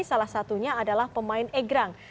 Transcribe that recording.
salah satunya adalah pemain egrang